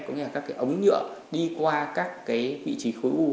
có nghĩa là các cái ống nhựa đi qua các cái vị trí khối u